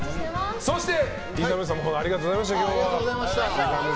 そして、ＩＺＡＭさんありがとうございました。